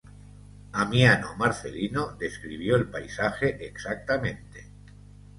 Amiano Marcelino describió el paisaje exactamente.